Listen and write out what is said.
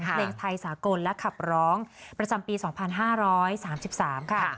เพลงไทยสากลและขับร้องประจำปีสองพันห้าร้อยสามสิบสามค่ะ